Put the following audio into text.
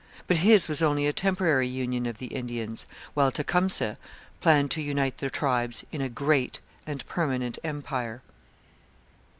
But his was only a temporary union of the Indians, while Tecumseh planned to unite the tribes in a great and permanent empire.